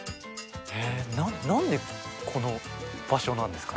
なんでこの場所なんですか？